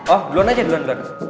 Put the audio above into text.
oh duluan aja duluan